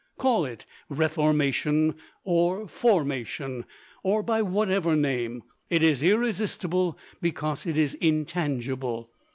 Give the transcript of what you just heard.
Call it reformation, or formation, or by whatever name, it is irresistible because it is intangible.